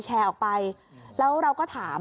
แชร์ออกไปแล้วเราก็ถาม